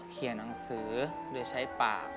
อ๋อเขียนหนังสือหรือใช้ปาก